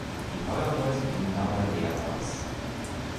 Die Heuerleute gingen dabei leer aus.